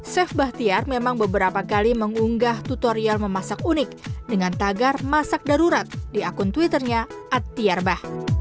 chef bahtiar memang beberapa kali mengunggah tutorial memasak unik dengan tagar masak darurat di akun twitternya at tiarbah